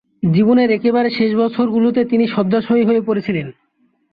জীবনের একেবারে শেষ বছরগুলিতে তিনি শয্যাশায়ী হয়ে পড়েছিলেন।